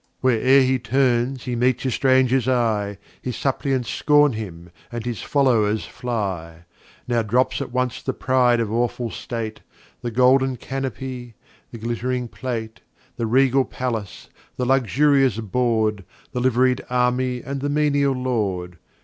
Where e'er he turns he meets a Stranger's Eye, His Suppliants scorn him, and his Followers fly; Now drops at once the Pride of aweful State, The golden Canopy, the glitt'ring Plate, The regal Palace, the luxurious Board, The liv'ried Army and the menial Lord.